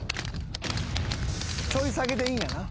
ちょい下げでいいんやな。